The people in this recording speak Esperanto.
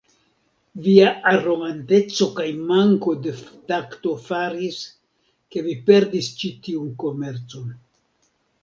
Via aroganteco kaj manko de takto faris, ke vi perdis ĉi tiun komercon.